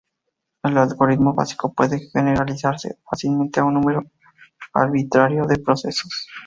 El algoritmo básico puede generalizarse fácilmente a un número arbitrario de procesos.